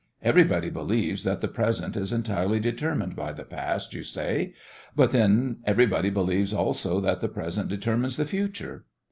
Everybody believes that the present is entirely determined by the past, you say; but then everybody believes also that the present determines the future.